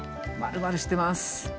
まるまるしてます。